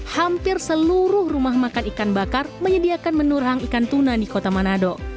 hampir seluruh rumah makan ikan bakar menyediakan menu rehang ikan tuna di kota manado